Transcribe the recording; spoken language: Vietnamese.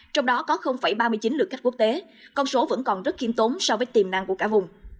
trong đó có ba mươi chín lực khách quốc tế con số vẫn còn rất khiêm tốn so với tiềm năng của cả vùng